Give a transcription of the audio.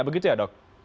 begitu ya dok